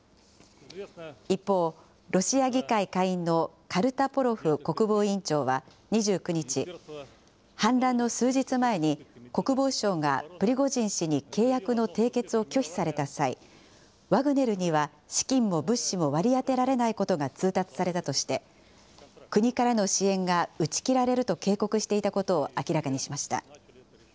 一方、ロシア議会下院のカルタポロフ国防委員長は２９日、反乱の数日前に国防省がプリゴジン氏に契約の締結を拒否された際、ワグネルには資金も物資も割り当てられないことが通達されたとして、国からの支援が打ち切られると警告していたことを明らかにしました。